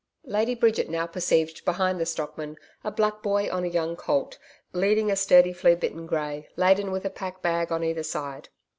Lady Bridget now perceived behind the stockman a black boy on a young colt, leading a sturdy flea bitten grey, laden with a pack bag on either side.